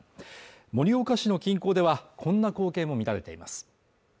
盛岡市の近郊ではこんな光景も見られています